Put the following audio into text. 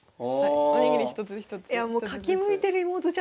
お握り一つ一つ。